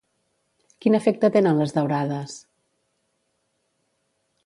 Quin efecte tenen les daurades?